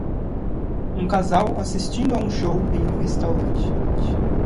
Um casal assistindo a um show em um restaurante.